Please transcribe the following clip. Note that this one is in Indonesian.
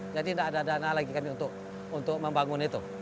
jadi tidak ada dana lagi kami untuk membangun itu